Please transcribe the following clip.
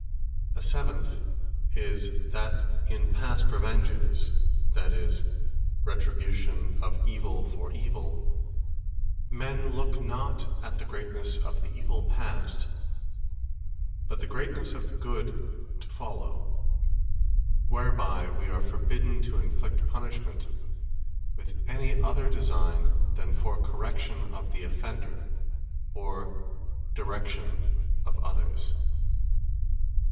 The Seventh, That In Revenges, Men Respect Onely The Future Good A seventh is, " That in Revenges, (that is, retribution of evil for evil,) Men look not at the greatnesse of the evill past, but the greatnesse of the good to follow." Whereby we are forbidden to inflict punishment with any other designe, than for correction of the offender, or direction of others.